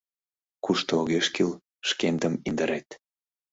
— Кушто огеш кӱл, шкендым индырет.